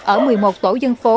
ở một mươi một tổ dân phố